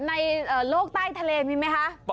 ขอบคุณครับ